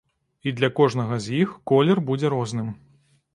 І для кожнага з іх колер будзе розным.